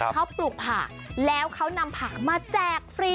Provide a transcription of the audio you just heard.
เขาปลูกผักแล้วเขานำผามาแจกฟรี